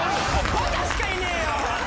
バカしかいねえよ。